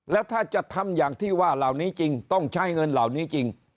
แล้วถ้าจะทำอย่างที่ว่าเหล่านี้จริงต้องใช้เงินเหล่านี้จริง